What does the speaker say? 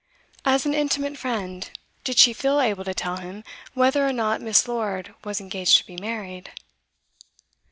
As an intimate friend, did she feel able to tell him whether or not Miss. Lord was engaged to be married?